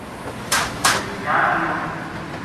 رچھ جا رہیو